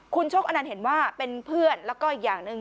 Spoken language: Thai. คุณชกอนันต์เห็นว่าเป็นเพื่อนแล้วก็อีกอย่างหนึ่ง